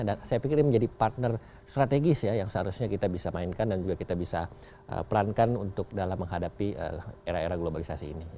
dan saya pikir ini menjadi partner strategis yang seharusnya kita bisa mainkan dan juga kita bisa perankan untuk dalam menghadapi era era globalisasi ini